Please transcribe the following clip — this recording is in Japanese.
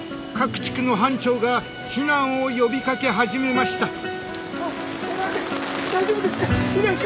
各地区の班長が避難を呼びかけ始めました。